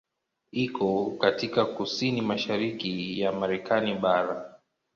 Iko katika kusini mashariki ya Marekani bara.